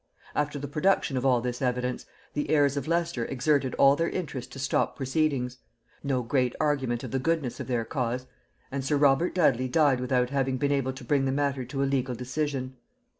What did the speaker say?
After the production of all this evidence, the heirs of Leicester exerted all their interest to stop proceedings; no great argument of the goodness of their cause; and sir Robert Dudley died without having been able to bring the matter to a legal decision.